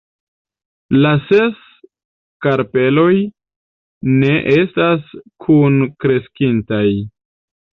La ses karpeloj ne estas kunkreskintaj.